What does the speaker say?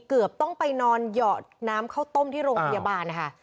เกือบต้องไปนอนหยอดน้ำข้าวต้มที่โรงพยาบาลนะคะ